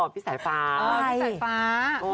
พี่สายฟ้า